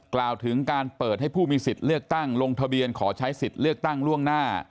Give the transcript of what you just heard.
กล่าวถึงการเปิดให้ผู้มีสิทธิ์เลือกตั้งลงทะเบียนขอใช้สิทธิ์เลือกตั้งล่วงหน้า